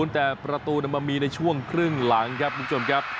แต่ประตูมันมีในช่วงครึ่งหลังครับคุณผู้ชมครับ